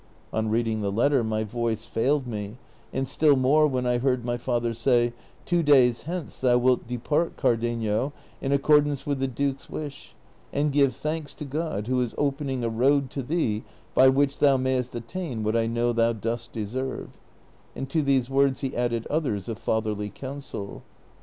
On reading the letter my voice failed me, and still more when I heard my father say, " Two days hence thou wilt depart, Cardenio, in accordance with the duke's wish, and give thanks to God who is oi^ening a road to thee b}' which thou mayest attain what I know thou dost deserve ;" and to these words he added others of fatherly counsel.